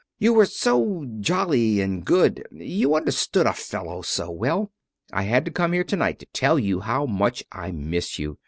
You were so jolly and good you understood a fellow so well. I had to come here tonight to tell you how much I miss you.